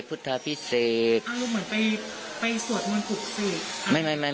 อ้าวลูกเหมือนไปสวดมวลภุตศีร